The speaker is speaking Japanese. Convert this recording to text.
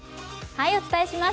お伝えします。